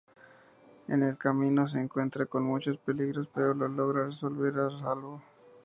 En el camino se encuentra con muchos peligros, pero logra volver a salvo.